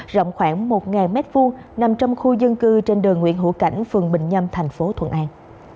rộng khoảng một m hai nằm trong khu dân cư trên đường nguyễn hữu cảnh phường bình nhâm thành phố thuận an